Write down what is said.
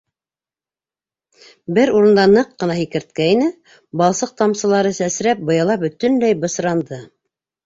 Бер урында ныҡ ҡына һикерткәйне, балсыҡ тамсылары сәсрәп, быяла бөтөнләй бысранды.